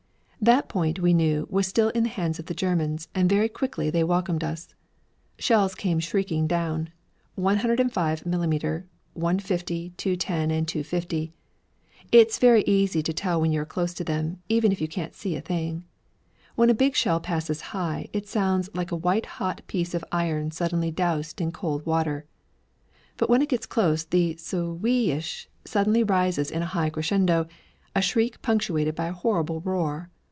That point, we knew, was still in the hands of the Germans, and very quickly they welcomed us. Shells came shrieking down 105mm., 150, 210, and 250. It's very easy to tell when you are close to them, even if you can't see a thing. When a big shell passes high, it sounds like a white hot piece of iron suddenly doused in cold water; but when it gets close, the sw i ish suddenly rises in a high crescendo, a shriek punctuated by a horrible roar.